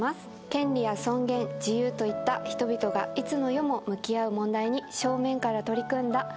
権利や尊厳自由といった人々がいつの世も向き合う問題に正面から取り組んだ